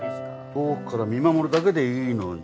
遠くから見守るだけでいいのに。